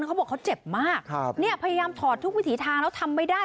เขาบอกเขาเจ็บมากครับเนี่ยพยายามถอดทุกวิถีทางแล้วทำไม่ได้